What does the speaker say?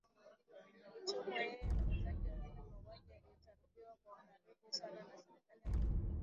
Alichomwa yeye na wenzake wawili Mauaji yaliyoratibiwa kwa karibu sana na Serikali ya Marekani